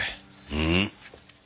うん？